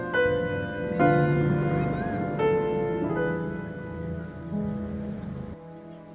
pagi pagi siapa yang dikutuk dan kenapa